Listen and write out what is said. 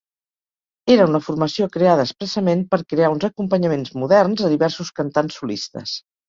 Era una formació creada expressament per crear uns acompanyaments moderns a diversos cantants solistes.